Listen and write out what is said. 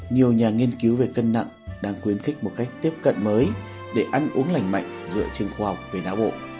nhiều nhà nghiên cứu về cân nặng đang quyến khích một cách tiếp cận mới để ăn uống lành mạnh dựa trên khoa học về đá bộ